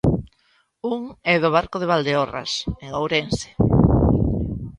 Un é o do Barco de Valdeorras, en Ourense.